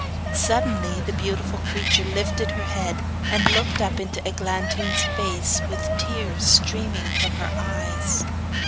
Suddenly the beautiful creature lifted her head, and looked up into Eglantine's face, with tears streaming from her eyes.